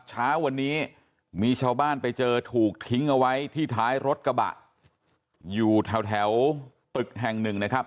เช้าวันนี้มีชาวบ้านไปเจอถูกทิ้งเอาไว้ที่ท้ายรถกระบะอยู่แถวตึกแห่งหนึ่งนะครับ